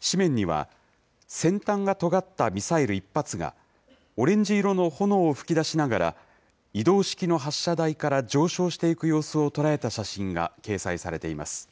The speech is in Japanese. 紙面には、先端がとがったミサイル１発が、オレンジ色の炎を噴き出しながら、移動式の発射台から上昇していく様子を捉えた写真が掲載されています。